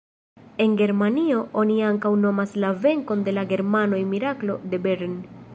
En Germanio oni ankaŭ nomas la venkon de la germanoj "Miraklo de Bern".